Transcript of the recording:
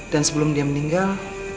dan sebelum dia meninggal